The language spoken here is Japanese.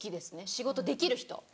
仕事できる人。